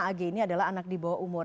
ag ini adalah anak di bawah umur